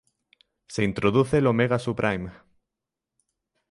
Se introduce el Omega Supreme.